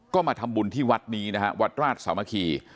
ก็มาทำบุญที่วัดนี้นะฮะวัดราชสามัคคี